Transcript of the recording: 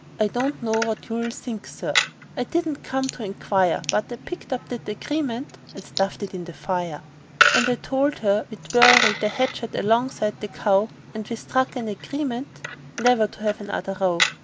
I don't know what you'll think, Sir I didn't come to inquire But I picked up that agreement and stuffed it in the fire; And I told her we'd bury the hatchet alongside of the cow; And we struck an agreement never to have another row.